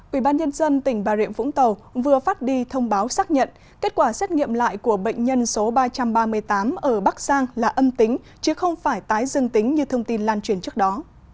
ubnd tỉnh bà rịa vũng tàu vừa phát đi thông báo xác nhận kết quả xét nghiệm lại của bệnh nhân số ba trăm ba mươi tám ở bắc giang là âm tính chứ không phải tái dương tính như thông tin lan truyền trước đó